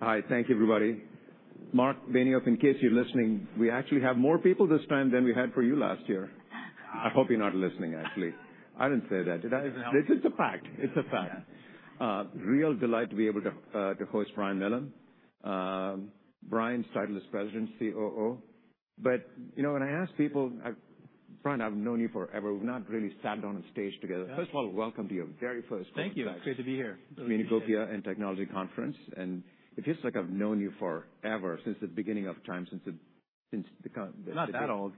Hi. Thank you, everybody. Marc Benioff, in case you're listening, we actually have more people this time than we had for you last year. I hope you're not listening, actually. I didn't say that, did I? It's a fact. It's a fact. Real delight to be able to host Brian Millham. Brian's title is President COO. But, you know, when I ask people, I've-Brian, I've known you forever. We've not really sat on a stage together. Yeah. First of all, welcome to your very first- Thank you. podcast. It's great to be here. Communacopia + Technology Conference, and it feels like I've known you forever, since the beginning of time, I'm not that old.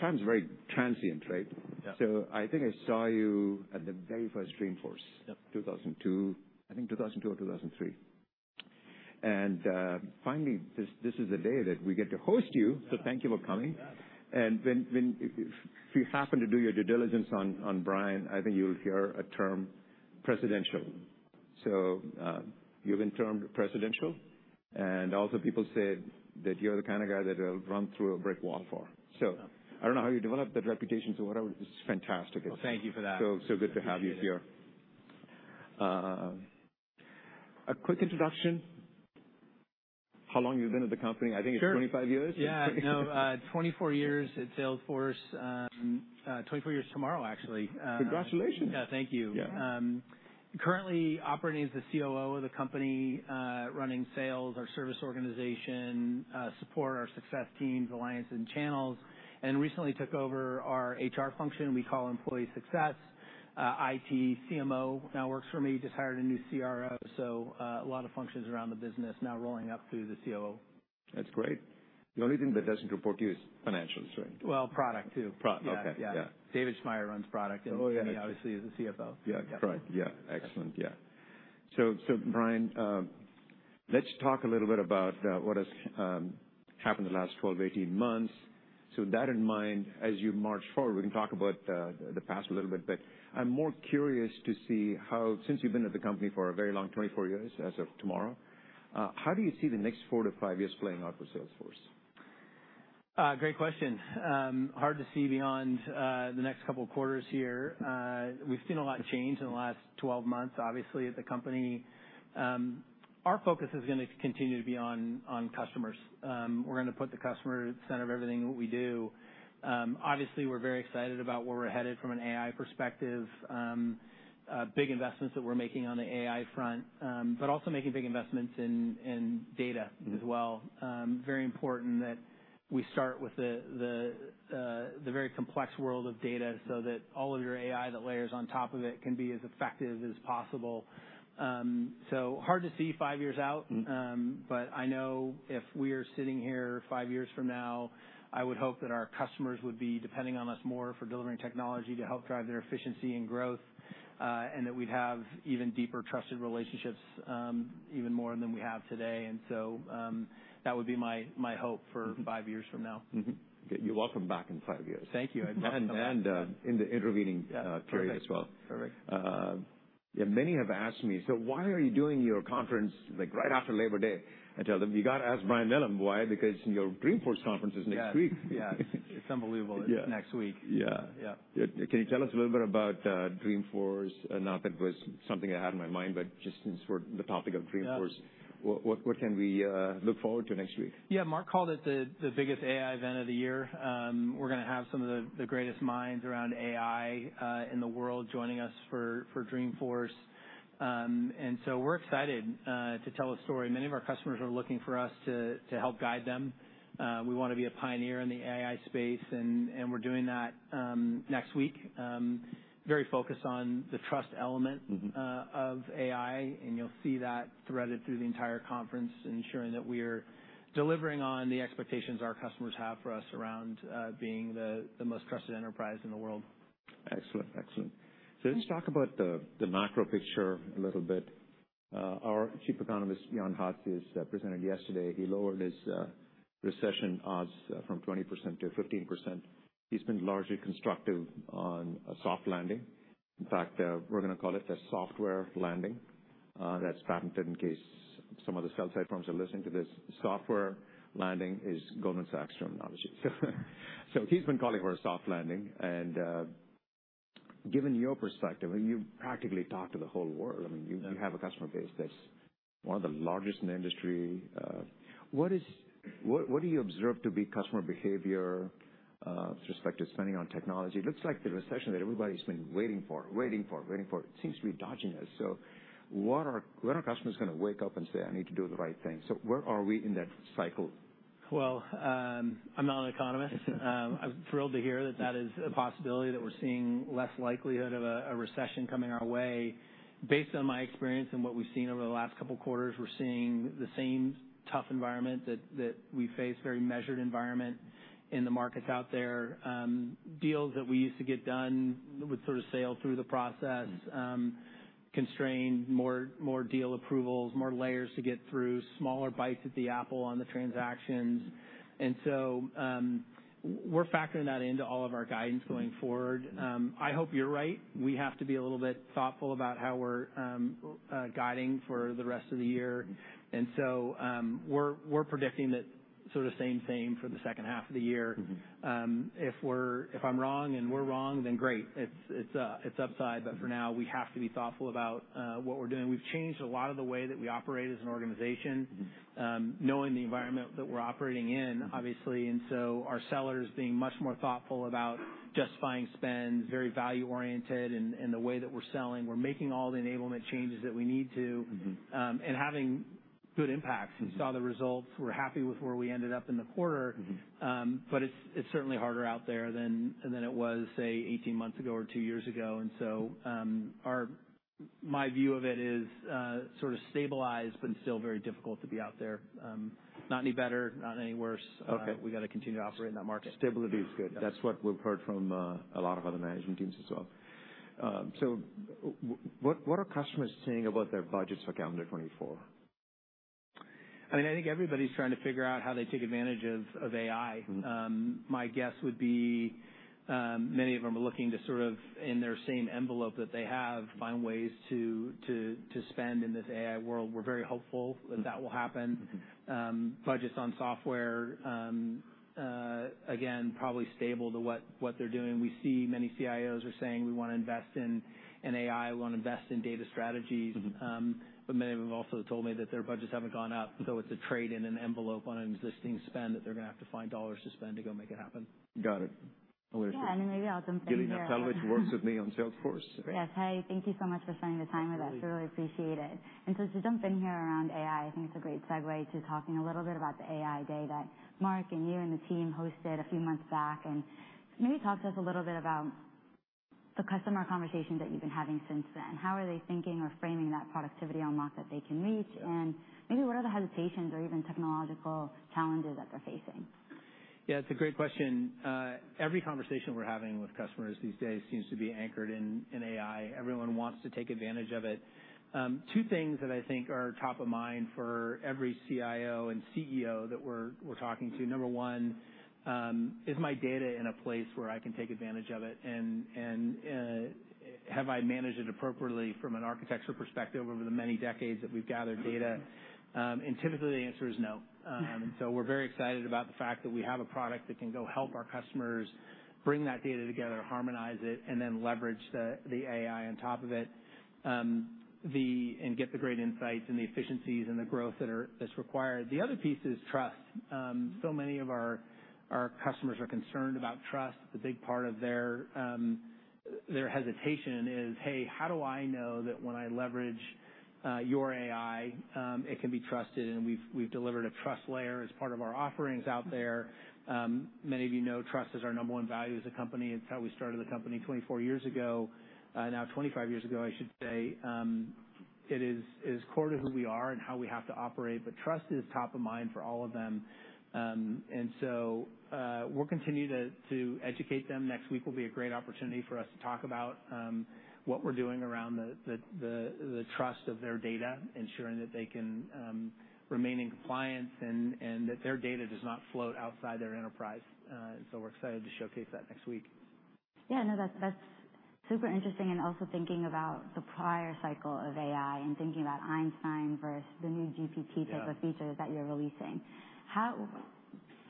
Time's very transient, right? Yeah. I think I saw you at the very first Dreamforce. Yep. 2002. I think 2002 or 2003. And finally, this is the day that we get to host you, so thank you for coming. Yeah. If you happen to do your due diligence on Brian, I think you'll hear a term, presidential. So, you've been termed presidential, and also people say that you're the kind of guy that will run through a brick wall for. Yeah. I don't know how you developed that reputation, so whatever, it's fantastic. Well, thank you for that. So, so good to have you here. Appreciate it. A quick introduction. How long you've been at the company? Sure. I think it's 25 years? Yeah. No, 24 years at Salesforce. 24 years tomorrow, actually. Congratulations! Thank you. Yeah. Currently operating as the COO of the company, running sales, our service organization, support our success teams, alliance and channels, and recently took over our HR function. We call employee success. IT, CMO now works for me. Just hired a new CRO, so, a lot of functions around the business now rolling up through the COO. That's great. The only thing that doesn't report to you is financials, right? Well, product, too. Pro... Okay. Yeah, yeah. Yeah. David Schmaier runs product- Oh, yeah. and obviously, is the CFO. Yeah, right. Yeah. Excellent, yeah. So, Brian, let's talk a little bit about what has happened the last 12-18 months. So with that in mind, as you march forward, we can talk about the past a little bit, but I'm more curious to see how, since you've been at the company for a very long 24 years, as of tomorrow, how do you see the next four to five years playing out for Salesforce? Great question. Hard to see beyond the next couple quarters here. We've seen a lot of change in the last 12 months, obviously, at the company. Our focus is gonna continue to be on customers. We're gonna put the customer at the center of everything that we do. Obviously, we're very excited about where we're headed from an AI perspective. Big investments that we're making on the AI front, but also making big investments in data as well. Mm-hmm. Very important that we start with the very complex world of data, so that all of your AI that layers on top of it can be as effective as possible. So hard to see five years out. Mm-hmm. But I know if we are sitting here five years from now, I would hope that our customers would be depending on us more for delivering technology to help drive their efficiency and growth, and that we'd have even deeper trusted relationships, even more than we have today, and so, that would be my hope for five years from now. Mm-hmm. You're welcome back in five years. Thank you. I'd love to come back. And in the intervening Yeah Period as well. Perfect. Yeah, many have asked me: "So why are you doing your conference, like, right after Labor Day?" I tell them: "You gotta ask Brian Millham, why? Because your Dreamforce conference is next week. Yeah, yeah. It's unbelievable- Yeah. It's next week. Yeah. Yeah. Can you tell us a little bit about Dreamforce? Not that it was something I had in my mind, but just since we're the topic of Dreamforce- Yeah. What can we look forward to next week? Yeah, Marc called it the biggest AI event of the year. We're gonna have some of the greatest minds around AI in the world joining us for Dreamforce. And so we're excited to tell a story. Many of our customers are looking for us to help guide them. We wanna be a pioneer in the AI space, and we're doing that next week. Very focused on the trust element- Mm-hmm of AI, and you'll see that threaded through the entire conference, ensuring that we're delivering on the expectations our customers have for us around being the most trusted enterprise in the world. Excellent, excellent. Yeah. So let's talk about the macro picture a little bit. Our Chief Economist, Jan Hatzius, presented yesterday. He lowered his recession odds from 20% to 15%. He's been largely constructive on a soft landing. In fact, we're gonna call it the software landing. That's patented in case some of the sell-side firms are listening to this. Software landing is Goldman Sachs terminology. So he's been calling for a soft landing, and given your perspective, and you practically talk to the whole world, I mean- You have a customer base that's one of the largest in the industry. What do you observe to be customer behavior with respect to spending on technology? It looks like the recession that everybody's been waiting for, waiting for, waiting for; it seems to be dodging us. So what are... When are customers gonna wake up and say: I need to do the right thing? So where are we in that cycle? Well, I'm not an economist. I'm thrilled to hear that that is a possibility, that we're seeing less likelihood of a recession coming our way. Based on my experience and what we've seen over the last couple quarters, we're seeing the same tough environment that we face, very measured environment in the markets out there. Deals that we used to get done would sort of sail through the process, constrained, more deal approvals, more layers to get through, smaller bites at the apple on the transactions. And so, we're factoring that into all of our guidance going forward. I hope you're right. We have to be a little bit thoughtful about how we're guiding for the rest of the year. And so, we're predicting that sort of same thing for the second half of the year. Mm-hmm. If I'm wrong and we're wrong, then great, it's upside. But for now, we have to be thoughtful about what we're doing. We've changed a lot of the way that we operate as an organization. Mm-hmm. Knowing the environment that we're operating in, obviously. Mm-hmm. And so our sellers being much more thoughtful about justifying spend, very value-oriented in the way that we're selling. We're making all the enablement changes that we need to- Mm-hmm. having good impacts. Mm-hmm. We saw the results. We're happy with where we ended up in the quarter. Mm-hmm. But it's certainly harder out there than it was, say, 18 months ago or two years ago, and so my view of it is sort of stabilized, but still very difficult to be out there. Not any better, not any worse. Okay. We got to continue to operate in that market. Stability is good. Yes. That's what we've heard from a lot of other management teams as well. So what are customers saying about their budgets for calendar 2024? I mean, I think everybody's trying to figure out how they take advantage of, of AI. Mm-hmm. My guess would be, many of them are looking to sort of, in their same envelope that they have- Mm-hmm Find ways to spend in this AI world. We're very hopeful that that will happen. Mm-hmm. Budgets on software, again, probably stable to what, what they're doing. We see many CIOs are saying: "We wanna invest in an AI. We wanna invest in data strategies. Mm-hmm. But many of them also told me that their budgets haven't gone up, so it's a trade in an envelope on an existing spend, that they're gonna have to find dollars to spend to go make it happen. Got it. Alicia? Yeah, and maybe I'll jump in here- Jillian Patel, who works with me on Salesforce. Yes. Hi, thank you so much for spending the time with us. Absolutely. Really appreciate it. To jump in here around AI, I think it's a great segue to talking a little bit about the AI day that Mark and you and the team hosted a few months back, and maybe talk to us a little bit about the customer conversations that you've been having since then. How are they thinking or framing that productivity unlock that they can reach? Yeah. Maybe what are the hesitations or even technological challenges that they're facing? Yeah, it's a great question. Every conversation we're having with customers these days seems to be anchored in AI. Everyone wants to take advantage of it. Two things that I think are top of mind for every CIO and CEO that we're talking to, number one: Is my data in a place where I can take advantage of it, and have I managed it appropriately from an architecture perspective over the many decades that we've gathered data? And typically, the answer is no. Mm-hmm. So we're very excited about the fact that we have a product that can go help our customers bring that data together, harmonize it, and then leverage the AI on top of it, and get the great insights and the efficiencies and the growth that's required. The other piece is trust. So many of our customers are concerned about trust. A big part of their hesitation is: Hey, how do I know that when I leverage your AI, it can be trusted? And we've delivered a trust layer as part of our offerings out there. Many of you know, trust is our number one value as a company. It's how we started the company 24 years ago, now 25 years ago, I should say. It is core to who we are and how we have to operate, but trust is top of mind for all of them. And so, we'll continue to educate them. Next week will be a great opportunity for us to talk about what we're doing around the trust of their data, ensuring that they can remain in compliance and that their data does not float outside their enterprise. So we're excited to showcase that next week. Yeah, no, that's, that's super interesting. And also thinking about the prior cycle of AI and thinking about Einstein versus the new GPT- Yeah type of features that you're releasing. How,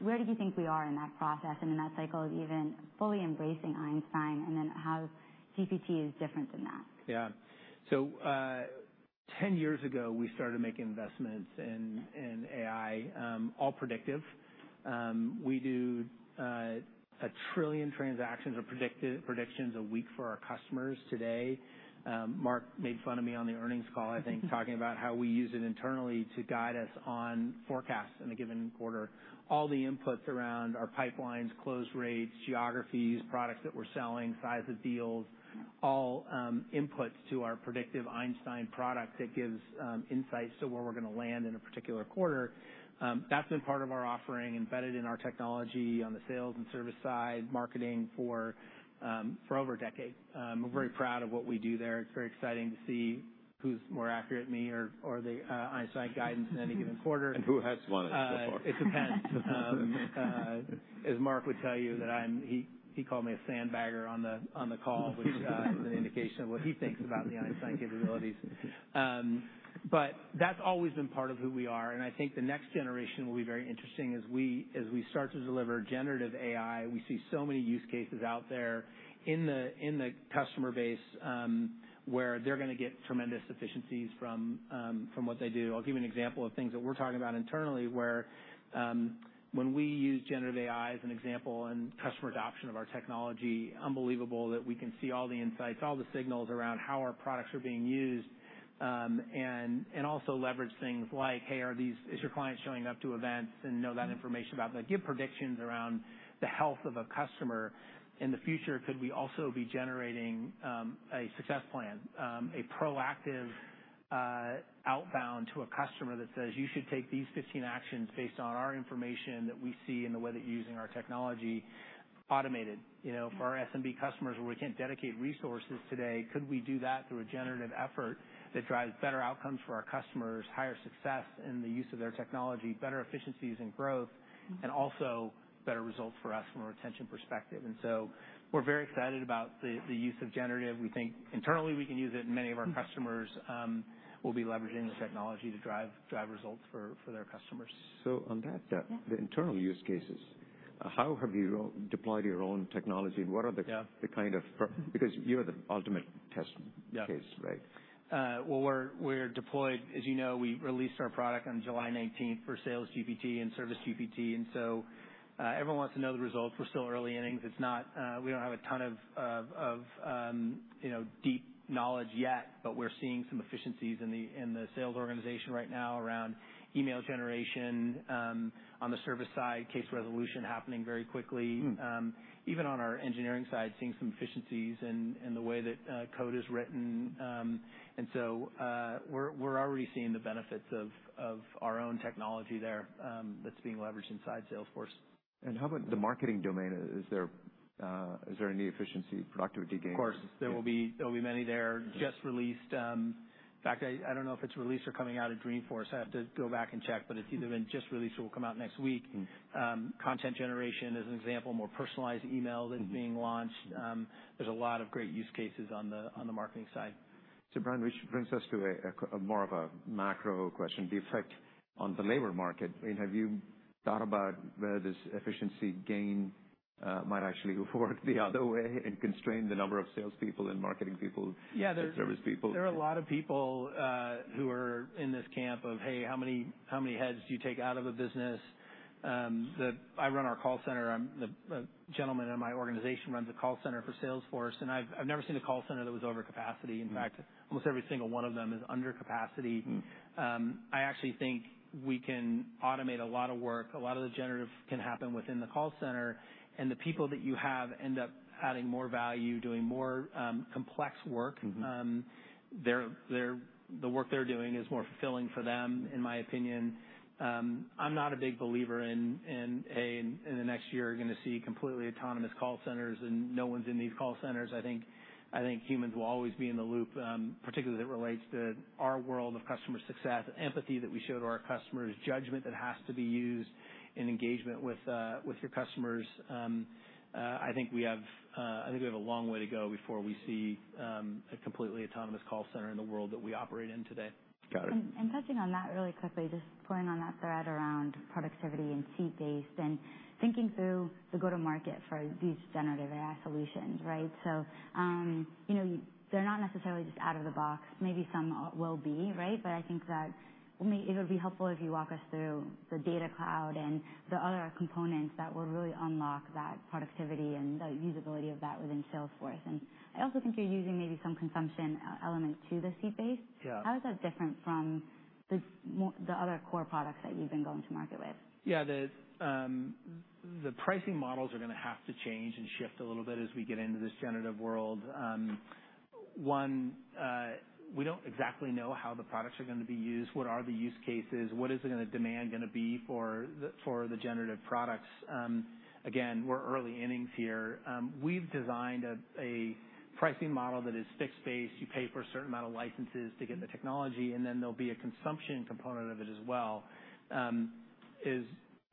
where do you think we are in that process and in that cycle of even fully embracing Einstein, and then how GPT is different than that? Yeah. So, 10 years ago, we started making investments in AI, all predictive. We do 1 trillion transactions or predictive predictions a week for our customers today. Mark made fun of me on the earnings call, I think—talking about how we use it internally to guide us on forecasts in a given quarter. All the inputs around our pipelines, close rates, geographies, products that we're selling, size of deals, all inputs to our predictive Einstein product that gives insights to where we're gonna land in a particular quarter. That's been part of our offering, embedded in our technology on the sales and service side, marketing for over a decade. We're very proud of what we do there. It's very exciting to see who's more accurate, me or the Einstein guidance in any given quarter. Who has won it so far? It depends. As Mark would tell you, that I'm. He called me a sandbagger on the call, which is an indication of what he thinks about the Einstein capabilities. But that's always been part of who we are, and I think the next generation will be very interesting as we start to deliver generative AI. We see so many use cases out there in the customer base, where they're gonna get tremendous efficiencies from what they do. I'll give you an example of things that we're talking about internally, where when we use generative AI as an example, and customer adoption of our technology, unbelievable that we can see all the insights, all the signals around how our products are being used, and also leverage things like, Hey, are these... Is your client showing up to events? And know that information about them. Give predictions around the health of a customer. In the future, could we also be generating a success plan, a proactive outbound to a customer that says: "You should take these 15 actions based on our information that we see and the way that you're using our technology"? Automated, you know, for our SMB customers, where we can't dedicate resources today, could we do that through a generative effort that drives better outcomes for our customers, higher success in the use of their technology, better efficiencies and growth, and also better results for us from a retention perspective? And so we're very excited about the use of generative. We think internally we can use it, and many of our customers will be leveraging the technology to drive results for their customers. So on that, the internal use cases, how have you redeployed your own technology? What are the- Yeah. Because you are the ultimate test case, right? Well, we're deployed. As you know, we released our product on July nineteenth for Sales GPT and Service GPT, and so everyone wants to know the results. We're still early innings. It's not, we don't have a ton of, you know, deep knowledge yet, but we're seeing some efficiencies in the sales organization right now around email generation, on the service side, case resolution happening very quickly. Hmm. Even on our engineering side, seeing some efficiencies in the way that code is written. And so, we're already seeing the benefits of our own technology there, that's being leveraged inside Salesforce. And how about the marketing domain? Is there, is there any efficiency, productivity gains? Of course, there will be. There will be many there. Just released. In fact, I don't know if it's released or coming out of Dreamforce. I have to go back and check, but it's either been just released or will come out next week. Mm. Content generation, as an example, more personalized email that's being launched. Mm-hmm. There's a lot of great use cases on the marketing side. So, Brian, which brings us to a more of a macro question, the effect on the labor market. I mean, have you thought about where this efficiency gain might actually work the other way and constrain the number of salespeople and marketing people- Yeah, there- and service people? There are a lot of people who are in this camp of: Hey, how many, how many heads do you take out of a business? I run our call center. I'm the gentleman in my organization, runs the call center for Salesforce, and I've, I've never seen a call center that was over capacity. Mm. In fact, almost every single one of them is under capacity. Mm-hmm. I actually think we can automate a lot of work. A lot of the generative can happen within the call center, and the people that you have end up adding more value, doing more, complex work. Mm-hmm. They're the work they're doing is more fulfilling for them, in my opinion. I'm not a big believer in the next year, you're gonna see completely autonomous call centers, and no one's in these call centers. I think humans will always be in the loop, particularly as it relates to our world of customer success, the empathy that we show to our customers, judgment that has to be used, and engagement with your customers. I think we have a long way to go before we see a completely autonomous call center in the world that we operate in today. Got it. And touching on that really quickly, just pulling on that thread around productivity and seat-based and thinking through the go-to-market for these generative AI solutions, right? So, you know, they're not necessarily just out of the box. Maybe some will be, right? But I think that maybe it would be helpful if you walk us through the Data Cloud and the other components that will really unlock that productivity and the usability of that within Salesforce. And I also think you're using maybe some consumption element to the seat-based. Yeah. How is that different from the other core products that you've been going to market with? Yeah, the pricing models are gonna have to change and shift a little bit as we get into this generative world. We don't exactly know how the products are gonna be used, what are the use cases, what is it gonna demand gonna be for the generative products. Again, we're early innings here. We've designed a pricing model that is fixed base. You pay for a certain amount of licenses to get the technology, and then there'll be a consumption component of it as well.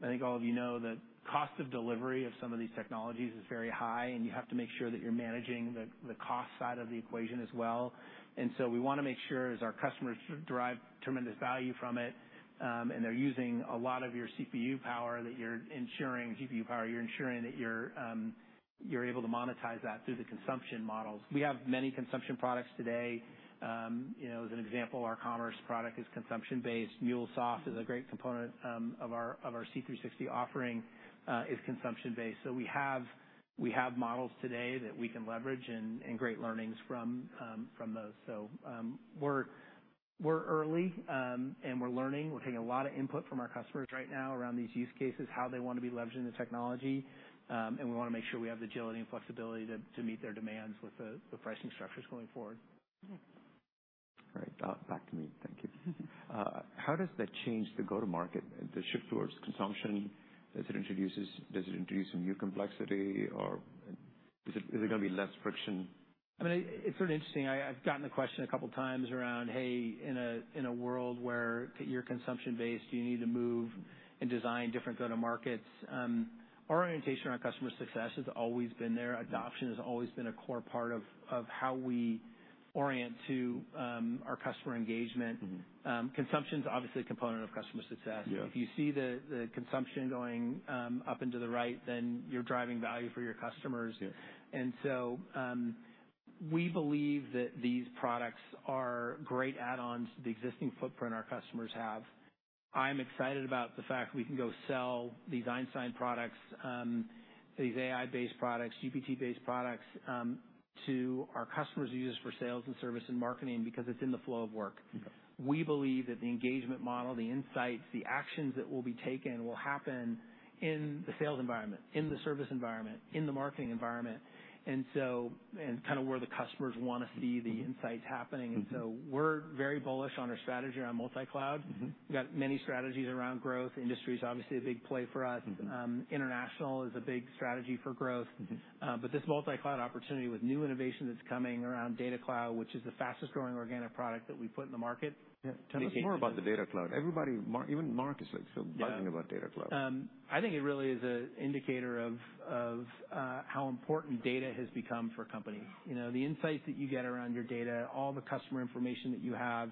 I think all of you know that cost of delivery of some of these technologies is very high, and you have to make sure that you're managing the cost side of the equation as well. And so we wanna make sure as our customers derive tremendous value from it, and they're using a lot of your CPU power, that you're ensuring GPU power, you're ensuring that you're able to monetize that through the consumption models. We have many consumption products today. You know, as an example, our commerce product is consumption-based. MuleSoft is a great component of our C360 offering, is consumption-based. So we have models today that we can leverage and great learnings from those. So, we're early and we're learning. We're taking a lot of input from our customers right now around these use cases, how they want to be leveraging the technology, and we wanna make sure we have agility and flexibility to meet their demands with the pricing structures going forward. Mm-hmm. Right. Back to me. Thank you. Mm-hmm. How does that change the go-to-market, the shift towards consumption? Does it introduce some new complexity, or is it gonna be less friction? I mean, it's sort of interesting. I've gotten the question a couple of times around: Hey, in a world where you're consumption-based, do you need to move and design different go-to markets? Our orientation around customer success has always been there. Mm-hmm. Adoption has always been a core part of how we orient to our customer engagement. Mm-hmm. Consumption's obviously a component of customer success. Yeah. If you see the consumption going up and to the right, then you're driving value for your customers. Yeah. We believe that these products are great add-ons to the existing footprint our customers have. I'm excited about the fact we can go sell these Einstein products, these AI-based products, GPT-based products, to our customers who use for sales and service and marketing, because it's in the flow of work. Mm-hmm. We believe that the engagement model, the insights, the actions that will be taken will happen in the sales environment, in the service environment, in the marketing environment, and so, and kind of where the customers wanna see the insights happening. Mm-hmm. And so we're very bullish on our strategy around multi-cloud. Mm-hmm. We've got many strategies around growth. Industry is obviously a big play for us. Mm-hmm. International is a big strategy for growth. Mm-hmm. But this multi-cloud opportunity with new innovation that's coming around Data Cloud, which is the fastest growing organic product that we put in the market. Yeah, ton of- Tell me more about the Data Cloud. Everybody, even Marc is, is so buzzing about Data Cloud. I think it really is a indicator of how important data has become for companies. You know, the insights that you get around your data, all the customer information that you have,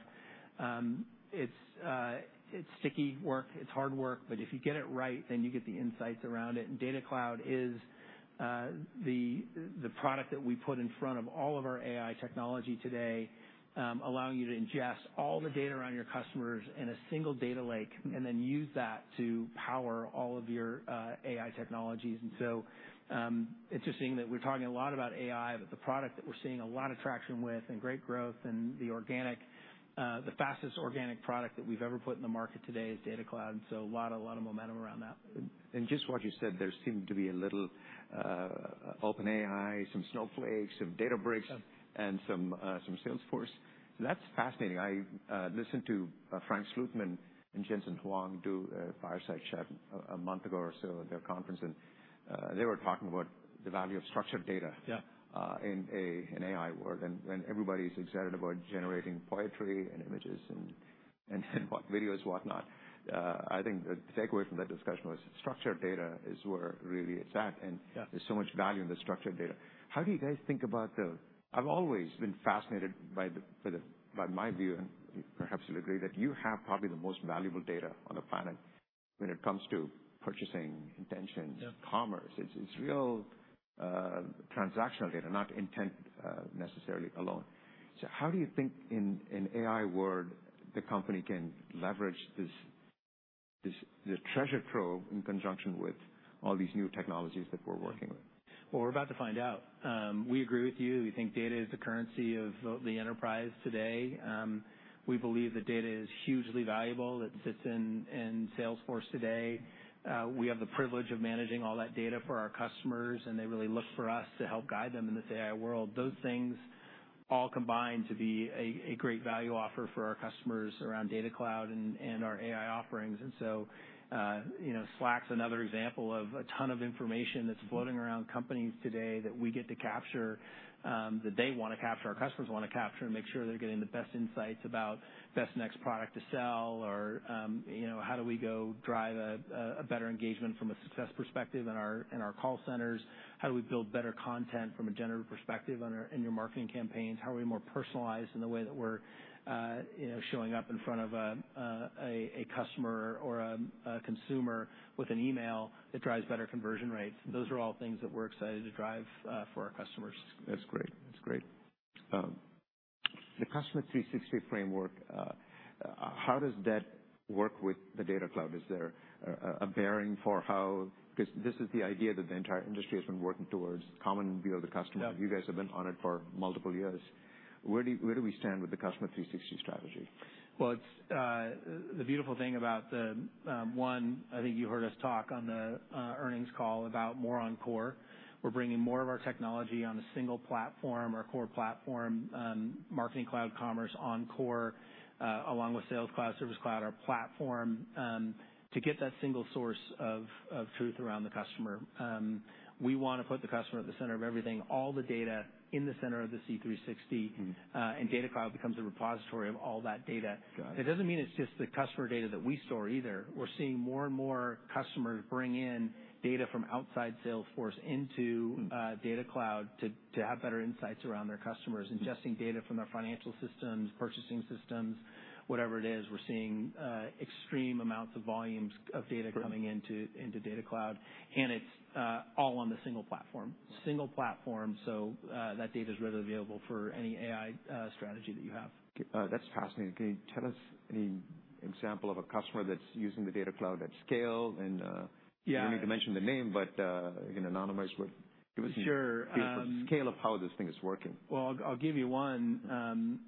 it's sticky work, it's hard work, but if you get it right, then you get the insights around it. And Data Cloud is the product that we put in front of all of our AI technology today, allowing you to ingest all the data around your customers in a single data lake, and then use that to power all of your AI technologies. And so, interesting that we're talking a lot about AI, but the product that we're seeing a lot of traction with and great growth and the organic, the fastest organic product that we've ever put in the market today is Data Cloud, and so a lot, a lot of momentum around that. Just what you said, there seemed to be a little OpenAI, some Snowflake, some Databricks- Yeah Some Salesforce. That's fascinating. I listened to Frank Slootman and Jensen Huang do a fireside chat a month ago or so at their conference, and they were talking about the value of structured data. Yeah In an AI world. And everybody's excited about generating poetry and images and videos, whatnot. I think the takeaway from that discussion was structured data is where really it's at, and- Yeah There's so much value in the structured data. How do you guys think about the—I've always been fascinated by my view, and you perhaps you'll agree, that you have probably the most valuable data on the planet when it comes to purchasing intentions. Yeah -commerce. It's real transactional data, not intent necessarily alone. So how do you think in AI world, the company can leverage this treasure trove in conjunction with all these new technologies that we're working with? Well, we're about to find out. We agree with you. We think data is the currency of the enterprise today. We believe that data is hugely valuable. It sits in Salesforce today. We have the privilege of managing all that data for our customers, and they really look for us to help guide them in this AI world. Those things all combine to be a great value offer for our customers around Data Cloud and our AI offerings. And so, you know, Slack's another example of a ton of information that's floating around companies today that we get to capture, that they wanna capture, our customers wanna capture and make sure they're getting the best insights about best next product to sell, or, you know, how do we go drive a better engagement from a success perspective in our call centers? How do we build better content from a generative perspective in your marketing campaigns? How are we more personalized in the way that we're, you know, showing up in front of a customer or a consumer with an email that drives better conversion rates? Those are all things that we're excited to drive, for our customers. That's great. That's great. The Customer 360 framework, how does that work with the Data Cloud? Is there a bearing for how... 'Cause this is the idea that the entire industry has been working towards, common view of the customer. Yeah. You guys have been on it for multiple years. Where do we stand with the Customer 360 strategy? Well, it's the beautiful thing about the one. I think you heard us talk on the earnings call about more on core. We're bringing more of our technology on a single platform, our core platform, Marketing Cloud, Commerce on core, along with Sales Cloud, Service Cloud, our platform, to get that single source of truth around the customer. We wanna put the customer at the center of everything, all the data in the center of the C360. Mm-hmm. Data Cloud becomes a repository of all that data. Got it. It doesn't mean it's just the customer data that we store either. We're seeing more and more customers bring in data from outside Salesforce into Data Cloud- Mm-hmm -to, to have better insights around their customers, ingesting data from their financial systems, purchasing systems, whatever it is. We're seeing, extreme amounts of volumes of data coming into- Right... into Data Cloud, and it's all on the single platform. Single platform, so that data is readily available for any AI strategy that you have. That's fascinating. Can you tell us any example of a customer that's using the Data Cloud at scale? And, Yeah. You don't need to mention the name, but you can anonymize but- Sure Give us the scale of how this thing is working. Well, I'll, I'll give you one.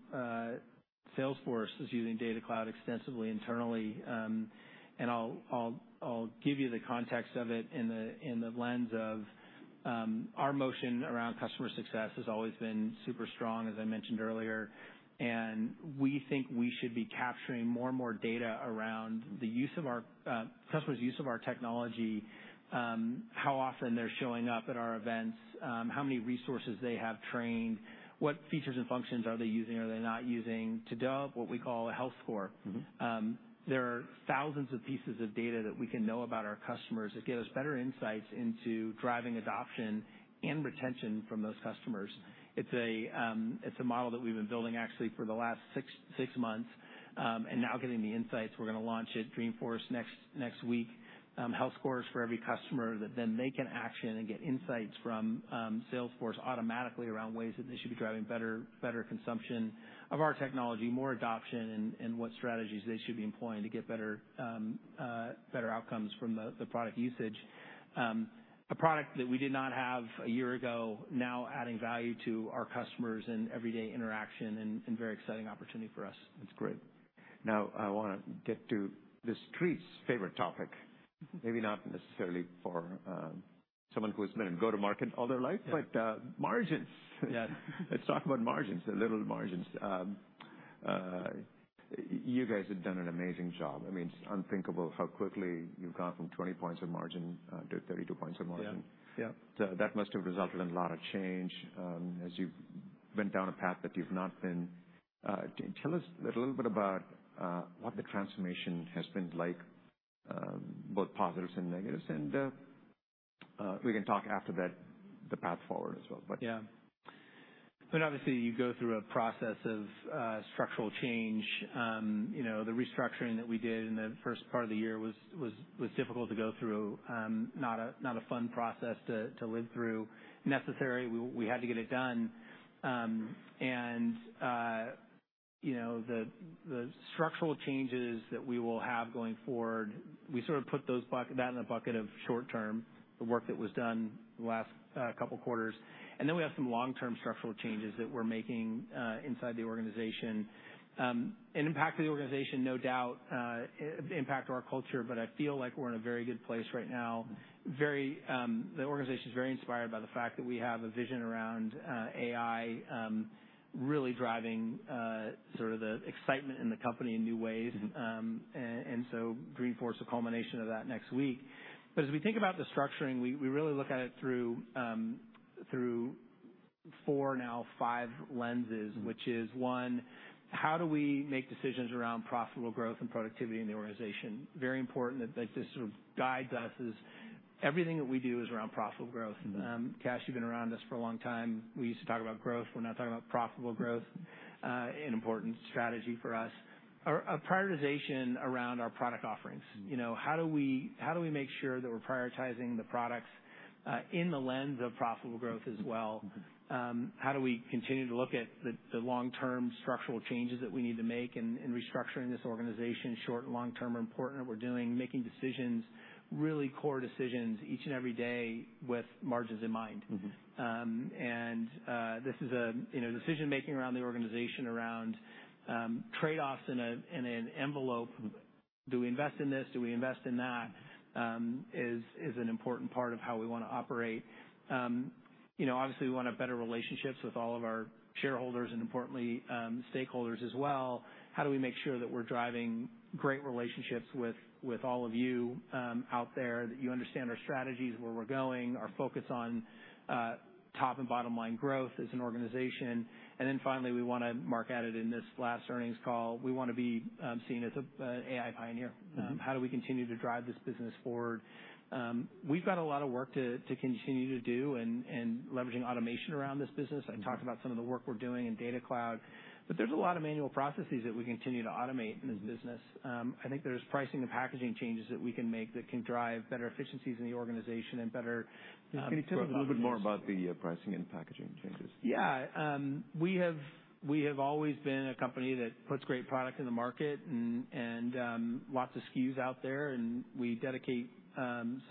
Salesforce is using Data Cloud extensively internally. And I'll, I'll, I'll give you the context of it in the, in the lens of, our motion around customer success has always been super strong, as I mentioned earlier. And we think we should be capturing more and more data around the use of our, customers' use of our technology, how often they're showing up at our events, how many resources they have trained, what features and functions are they using or are they not using, to develop what we call a health score. Mm-hmm. There are thousands of pieces of data that we can know about our customers that give us better insights into driving adoption and retention from those customers. It's a, it's a model that we've been building actually for the last six months. And now getting the insights, we're gonna launch at Dreamforce next, next week. Health scores for every customer, that then they can action and get insights from, Salesforce automatically around ways that they should be driving better, better consumption of our technology, more adoption, and, and what strategies they should be employing to get better, better outcomes from the, the product usage. A product that we did not have a year ago, now adding value to our customers in everyday interaction and, and very exciting opportunity for us. That's great. Now, I wanna get to the street's favorite topic. Mm-hmm. Maybe not necessarily for someone who has been in go-to-market all their life- Yeah. -but, margins. Yes. Let's talk about margins, a little margins. You guys have done an amazing job. I mean, it's unthinkable how quickly you've gone from 20 points of margin to 32 points of margin. Yeah. Yeah. So that must have resulted in a lot of change, as you've went down a path that you've not been. Tell us a little bit about what the transformation has been like, both positives and negatives, and we can talk after that, the path forward as well. But- Yeah. But obviously, you go through a process of structural change. You know, the restructuring that we did in the first part of the year was difficult to go through. Not a fun process to live through. Necessary, we had to get it done. You know, the structural changes that we will have going forward, we sort of put those, that in the bucket of short term, the work that was done the last couple quarters. And then we have some long-term structural changes that we're making inside the organization. An impact to the organization, no doubt, impact to our culture, but I feel like we're in a very good place right now. Very, the organization is very inspired by the fact that we have a vision around AI, really driving sort of the excitement in the company in new ways. And so Dreamforce, a culmination of that next week. But as we think about the structuring, we really look at it through four, now five lenses. Mm-hmm. which is, one, how do we make decisions around profitable growth and productivity in the organization? Very important that, that this sort of guides us is everything that we do is around profitable growth. Mm-hmm. Kash, you've been around us for a long time. We used to talk about growth. We're now talking about profitable growth, an important strategy for us. Our prioritization around our product offerings. Mm. You know, how do we make sure that we're prioritizing the products in the lens of profitable growth as well? Mm-hmm. How do we continue to look at the long-term structural changes that we need to make in restructuring this organization? Short and long term are important, and we're making decisions, really core decisions, each and every day, with margins in mind. Mm-hmm. This is a, you know, decision making around the organization, around, trade-offs in a, in an envelope. Do we invest in this? Do we invest in that? Is an important part of how we wanna operate. You know, obviously, we want to have better relationships with all of our shareholders and importantly, stakeholders as well. How do we make sure that we're driving great relationships with, with all of you, out there, that you understand our strategies, where we're going, our focus on, top and bottom line growth as an organization? And then finally, we wanna mark at it in this last earnings call, we wanna be, seen as a, an AI pioneer. Mm-hmm. How do we continue to drive this business forward? We've got a lot of work to continue to do and leveraging automation around this business. Mm-hmm. I talked about some of the work we're doing in Data Cloud, but there's a lot of manual processes that we continue to automate- Mm-hmm. -in this business. I think there's pricing and packaging changes that we can make that can drive better efficiencies in the organization and better, growth- Can you tell me a little bit more about the pricing and packaging changes? Yeah. We have, we have always been a company that puts great product in the market and, and, lots of SKUs out there, and we dedicate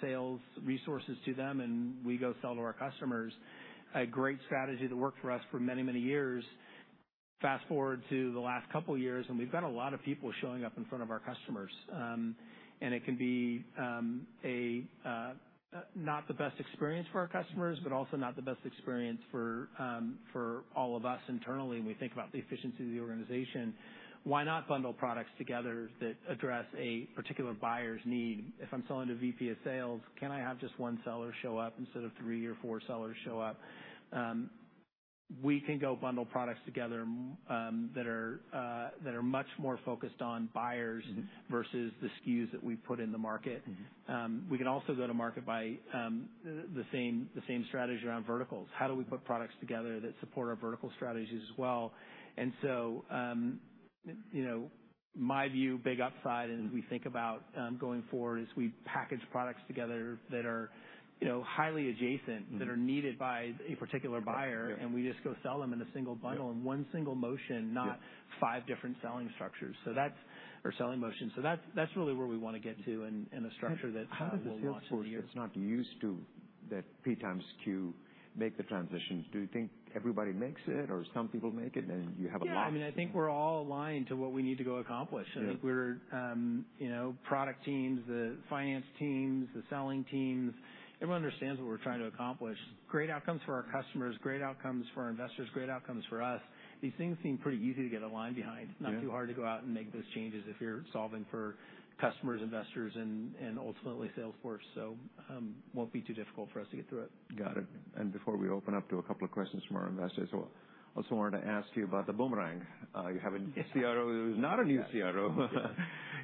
sales resources to them, and we go sell to our customers. A great strategy that worked for us for many, many years. Fast forward to the last couple years, and we've got a lot of people showing up in front of our customers. And it can be a not the best experience for our customers, but also not the best experience for, for all of us internally, when we think about the efficiency of the organization. Why not bundle products together that address a particular buyer's need? If I'm selling to VP of sales, can I have just one seller show up instead of three or four sellers show up? We can go bundle products together that are much more focused on buyers- Mm-hmm. versus the SKUs that we put in the market. Mm-hmm. We can also go to market by the same strategy around verticals. Mm-hmm. How do we put products together that support our vertical strategies as well? And so, you know, my view, big upside- Mm-hmm. -and we think about, going forward, is we package products together that are, you know, highly adjacent- Mm-hmm. that are needed by a particular buyer. Yeah. And we just go sell them in a single bundle- Yeah in one single motion, not Yeah five different selling structures. So that's... Or selling motions. So that's, that's really where we wanna get to in, in a structure that we'll launch in the year. How does the sales force that's not used to that P times Q make the transitions? Do you think everybody makes it, or some people make it, and you have a lot- Yeah, I mean, I think we're all aligned to what we need to go accomplish. Yeah. I think we're, you know, product teams, the finance teams, the selling teams, everyone understands what we're trying to accomplish. Great outcomes for our customers, great outcomes for our investors, great outcomes for us. These things seem pretty easy to get aligned behind. Yeah. Not too hard to go out and make those changes if you're solving for customers, investors, and ultimately, Salesforce. So, won't be too difficult for us to get through it. Got it. And before we open up to a couple of questions from our investors, so also wanted to ask you about the boomerang. You have a new CRO—who is not a new CRO. Yeah.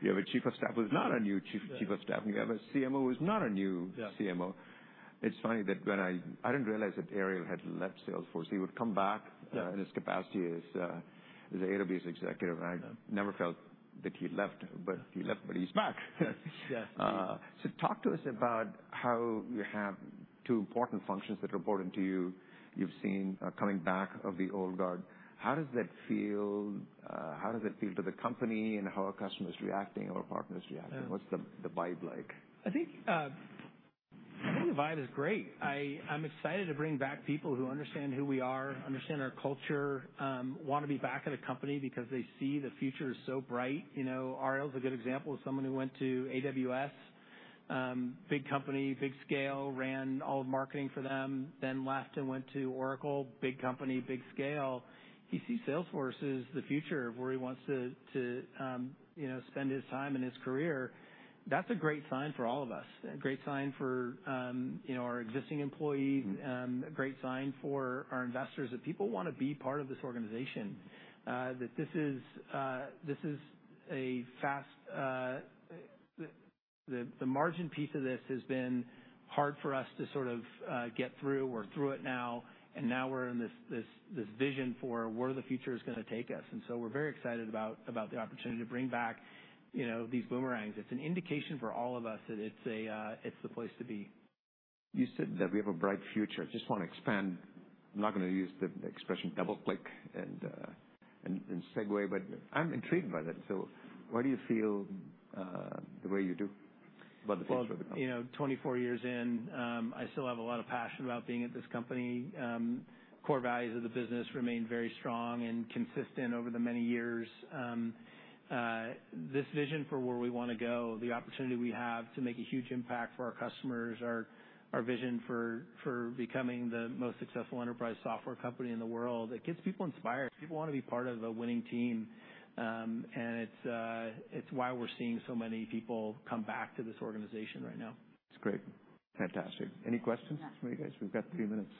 You have a chief of staff who's not a new chief- Yeah chief of staff. You have a CMO who's not a new CMO. Yeah. ...It's funny that when I, I didn't realize that Ariel had left Salesforce. He would come back, in his capacity as, as AWS executive, and I never felt that he left, but he left, but he's back. Yes. So talk to us about how you have two important functions that are reporting to you. You've seen coming back of the old guard. How does that feel? How does it feel to the company and how are customers reacting, or partners reacting? What's the vibe like? I think, I think the vibe is great. I'm excited to bring back people who understand who we are, understand our culture, want to be back at a company because they see the future is so bright. You know, Ariel's a good example of someone who went to AWS, big company, big scale, ran all of marketing for them, then left and went to Oracle, big company, big scale. He sees Salesforce as the future of where he wants to, you know, spend his time and his career. That's a great sign for all of us, a great sign for, you know, our existing employee, a great sign for our investors, that people wanna be part of this organization, that this is, this is a fast... The margin piece of this has been hard for us to sort of get through. We're through it now, and now we're in this vision for where the future is gonna take us, and so we're very excited about the opportunity to bring back, you know, these boomerangs. It's an indication for all of us that it's the place to be. You said that we have a bright future. Just wanna expand. I'm not gonna use the expression DoubleClick and Segue, but I'm intrigued by that. So why do you feel the way you do about the future of the company? Well, you know, 24 years in, I still have a lot of passion about being at this company. Core values of the business remain very strong and consistent over the many years. This vision for where we wanna go, the opportunity we have to make a huge impact for our customers, our vision for becoming the most successful enterprise software company in the world, it gets people inspired. People wanna be part of a winning team. And it's why we're seeing so many people come back to this organization right now. It's great. Fantastic. Any questions from you guys? We've got three minutes.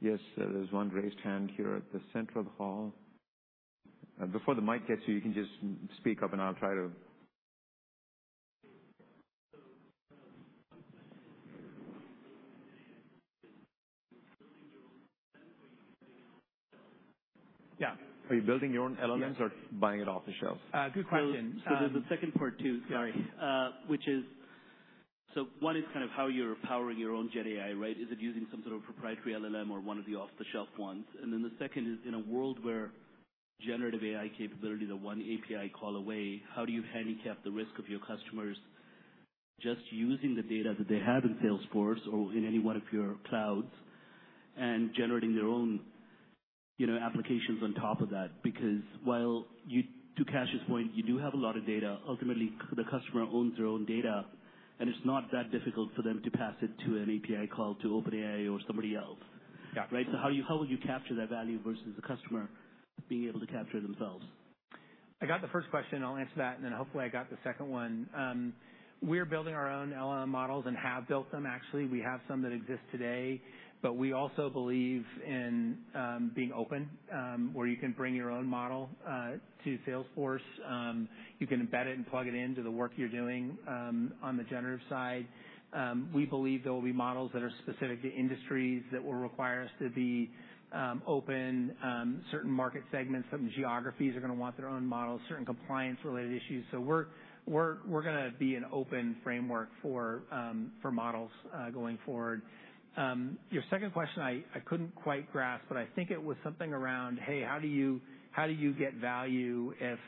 Yes, there's one raised hand here at the center of the hall. Before the mic gets to you, you can just speak up, and I'll try to... So, uh, Yeah. Are you building your own elements or buying it off the shelves? Good question. So there's a second part, too, sorry. Which is, so one is kind of how you're powering your own GenAI, right? Is it using some sort of proprietary LLM or one of the off-the-shelf ones? And then the second is, in a world where generative AI capability is a one API call away, how do you handicap the risk of your customers just using the data that they have in Salesforce or in any one of your clouds and generating their own, you know, applications on top of that? Because while you, to Kash's point, you do have a lot of data, ultimately, the customer owns their own data, and it's not that difficult for them to pass it to an API call, to OpenAI or somebody else. Yeah. Right? So how will you capture that value versus the customer being able to capture it themselves? I got the first question. I'll answer that, and then hopefully, I got the second one. We're building our own LLM models and have built them, actually. We have some that exist today, but we also believe in being open, where you can bring your own model to Salesforce. You can embed it and plug it into the work you're doing on the generative side. We believe there will be models that are specific to industries that will require us to be open. Certain market segments, some geographies are gonna want their own models, certain compliance-related issues. So we're gonna be an open framework for models going forward. Your second question, I couldn't quite grasp, but I think it was something around: Hey, how do you get value if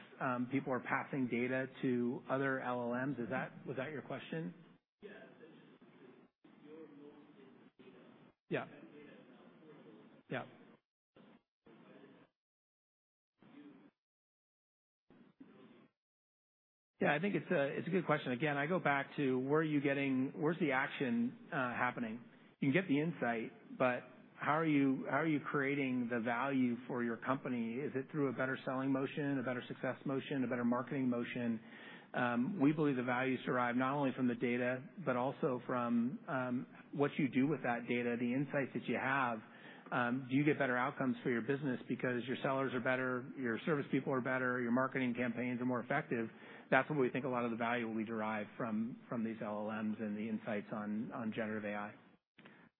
people are passing data to other LLMs? Is that, was that your question? Yeah, that's your role in the data. Yeah. That data is now portable. Yeah. Yeah, I think it's a, it's a good question. Again, I go back to, where's the action happening? You can get the insight, but how are you creating the value for your company? Is it through a better selling motion, a better success motion, a better marketing motion? We believe the values derive not only from the data, but also from, what you do with that data, the insights that you have. Do you get better outcomes for your business because your sellers are better, your service people are better, your marketing campaigns are more effective? That's where we think a lot of the value will be derived from these LLMs and the insights on generative AI.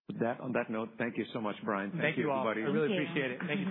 With that, on that note, thank you so much, Brian. Thank you, all. Thank you, everybody. I really appreciate it. Thank you.